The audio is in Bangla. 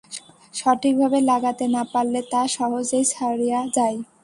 সঠিকভাবে লাগাতে না পারলে তা সহজেই ছড়িয়ে যায়।